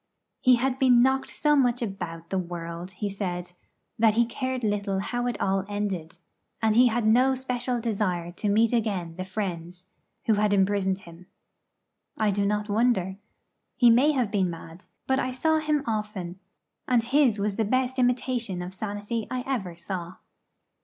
He had been knocked so much about the world, he said, that he cared little how it all ended; and he had no special desire to meet again the friends who had imprisoned him. I do not wonder. He may have been mad; but I saw him often, and his was the best imitation of sanity I ever saw.